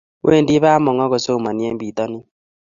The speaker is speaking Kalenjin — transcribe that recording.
Wendi bamongo kosomani en pitanin